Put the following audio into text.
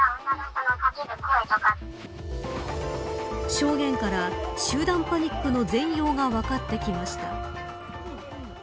証言から集団パニックの全容が分かってきました。